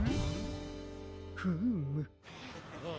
フーム。